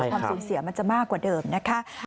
ความสูญเสียมันจะมากกว่าเดิมนะคะ